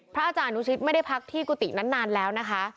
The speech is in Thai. อาจารย์อนุชิตไม่ได้พักที่กุฏินั้นนานแล้วนะคะ